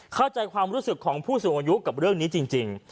เข้าใจความรู้สึกของผู้สูงอายุกับเรื่องนี้จริง